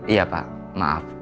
iya pak maaf